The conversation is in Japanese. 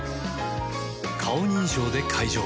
顔認証で解錠